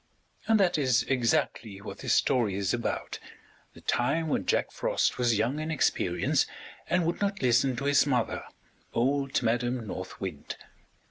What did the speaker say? And that is exactly what this story is about, the time when Jack Frost was young in experience and would not listen to his mother, old Madam North Wind.